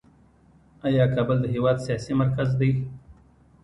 آیا کابل د هیواد سیاسي مرکز دی؟